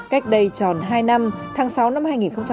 cách đây tròn hai năm tháng sáu năm hai nghìn một mươi ba